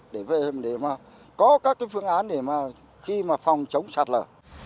để có các cái phương án để mà khi mà phòng chống sạt lở